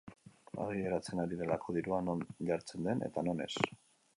Argi geratzen ari delako dirua non jartzen den eta non ez.